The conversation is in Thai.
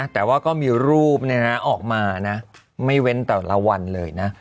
แต่ว่าก็มีรูปออกมานะไม่เว้นแต่ละวันเลยนะ